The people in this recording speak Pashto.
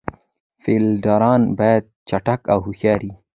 فیلډران باید چټک او هوښیار يي.